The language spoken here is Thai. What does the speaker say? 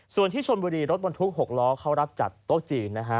ส่วนที่ชนบุรีรถบรรทุก๖ล้อเขารับจัดโต๊ะจีนนะฮะ